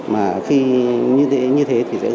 mà khi như thế thì sẽ ưu